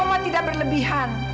oma tidak berlebihan